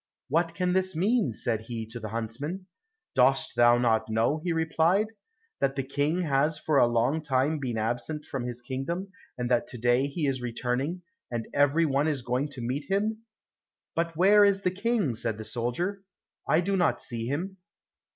"What can this mean?" said he to the huntsman. "Dost thou not know?" he replied, "that the King has for a long time been absent from his kingdom, and that to day he is returning, and every one is going to meet him." "But where is the King?" said the soldier, "I do not see him."